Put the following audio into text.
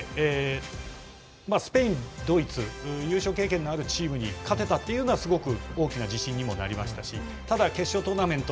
スペイン、ドイツ優勝経験のあるチームに勝てたというのはすごく大きな自信にもなりましたしただ、決勝トーナメント